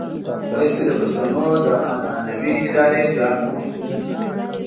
کله چې د پښتنو د عنعنوي ادارې جال نه وو شلېدلی.